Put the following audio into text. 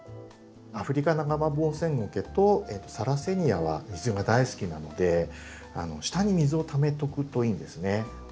アフリカナガバモウセンゴケとサラセニアは水が大好きなので下に水をためとくといいんですね。